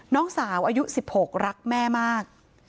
น้องสาวอายุ๑๖รักแม่มาก